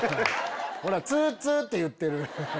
ほらツツっていってる。